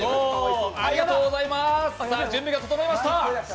準備が整いました。